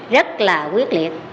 rất là quyết liệt